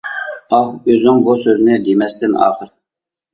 ئاھ، ئۆزۈڭ بۇ سۆزنى، دېمەستىن ئاخىر؟ !